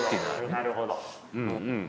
なるほど。